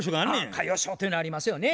歌謡ショーというのありますよね。